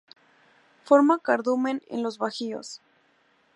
Forma cardumen en los bajíos.